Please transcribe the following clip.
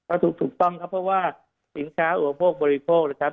ถูกต้องครับเพราะว่าสินค้าอุปโภคบริโภคนะครับ